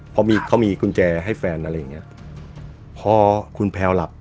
พอมีเขามีกุญแจให้แฟนอะไรอย่างเงี้ยพอคุณแพลวหลับ